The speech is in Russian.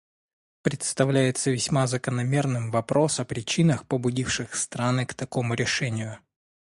Представляется весьма закономерным вопрос о причинах, побудивших страны к такому решению.